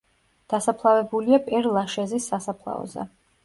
დასაფლავებულია პერ ლაშეზის სასაფლაოზე.